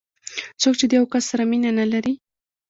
څوک چې د یو کس سره مینه نه لري.